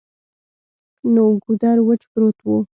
نو ګودر وچ پروت وو ـ